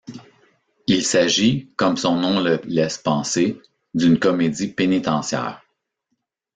Il s'agit, comme son nom le laisse penser, d'une comédie pénitentiaire.